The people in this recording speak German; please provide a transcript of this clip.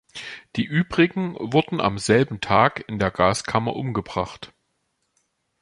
Die übrigen wurden am selben Tag in der Gaskammer umgebracht.